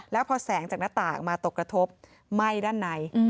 แล้วพอแสงจากหน้าต่างมาตกกระทบไหม้ด้านใน